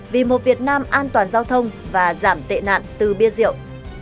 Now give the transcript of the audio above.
vì một việt nam an toàn giao thông và giảm tệ nạn từ bia rượu